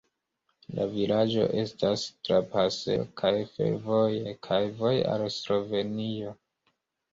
La vilaĝo estas trapasejo kaj fervoje, kaj voje al Slovenio.